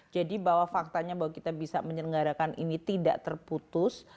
jadi bahwa faktanya bahwa kita bisa menyelenggarakan ini tidak terputus